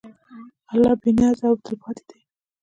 الله بېنیاز او تلپاتې دی.